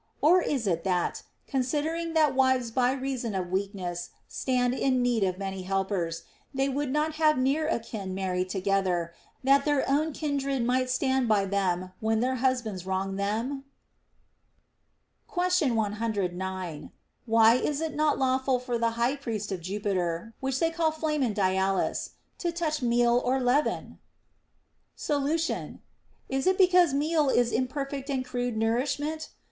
Or is it that, considering that wives by reason of weakness stand in need of many helpers, they would not have near akin marry together, that their own kindred might stand by them when their husbands wron^r them \ Question 109. Why is it not lawful for the high priest of Jupiter, which they call Flamen Dialis, to touch meal or leaven \ Solution. Is it because meal is imperfect and crude nourishment